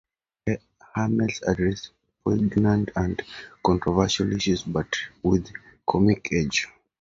Hamell addresses poignant and controversial issues, but with a comic edge.